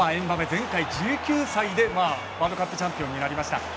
前回１９歳でワールドカップチャンピオンになりました。